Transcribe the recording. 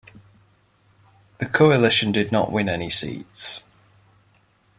The coalition did not win any seats.